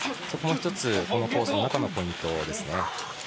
そこも１つ、このコースの中のポイントですね。